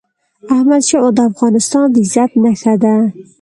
احمدشاه بابا د افغانستان د عزت نښه ده.